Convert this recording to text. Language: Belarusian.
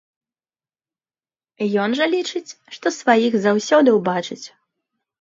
Ён жа лічыць, што сваіх заўсёды ўбачыць.